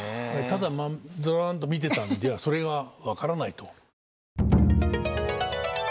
ただずんと見てたんではそれが分からないと。